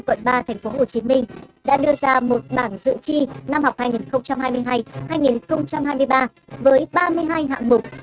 quận ba tp hcm đã đưa ra một bảng dự chi năm học hai nghìn hai mươi hai hai nghìn hai mươi ba với ba mươi hai hạng mục